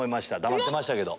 黙ってましたけど。